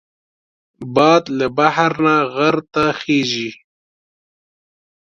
باد له بحر نه غر ته خېژي